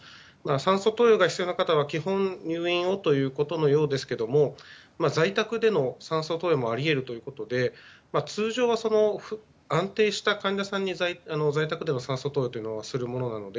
酸素投与が必要な方は基本、入院をということのようですけども在宅での酸素投与もあり得るということで通常は安定した患者さんに在宅で酸素投与をするものなので。